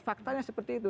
faktanya seperti itu